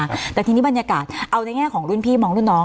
สันติฟังซึ่งบรรยากาศเอาในแง่ของรุ่นพี่มองรุ่นน้อง